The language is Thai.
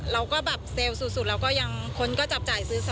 เราก็แบบเซลล์สุดแล้วก็ยังคนก็จับจ่ายซื้อซอ